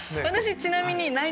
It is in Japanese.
ちなみに。